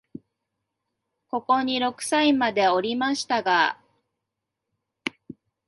ここに六歳までおりましたが、